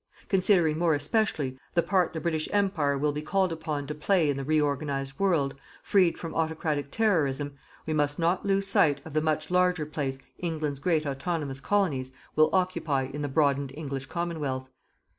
Considering more especially the part the British Empire will be called upon to play in the reorganized world, freed from autocratic terrorism, we must not lose sight of the much larger place England's great autonomous Colonies will occupy in the broadened English Commonwealth.